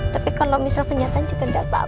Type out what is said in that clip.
tapi kalau misal kenyataan juga tidak apa apa